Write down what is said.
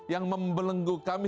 yang membelenggu kami